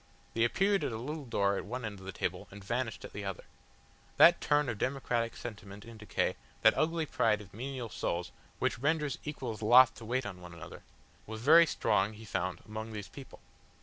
They appeared at a little door at one end of the table, and vanished at the other. That turn of democratic sentiment in decay, that ugly pride of menial souls, which renders equals loth to wait on one another, was very strong he found among these people.